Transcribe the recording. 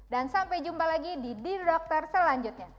dan sampai jumpa lagi di di dokter selanjutnya